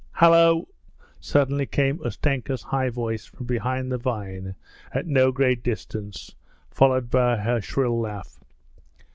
'Hallo!' suddenly came Ustenka's high voice from behind the vine at no great distance, followed by her shrill laugh.